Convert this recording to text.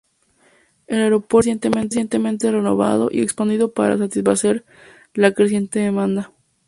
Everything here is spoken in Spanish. El aeropuerto fue recientemente renovado y expandido para satisfacer la creciente demanda.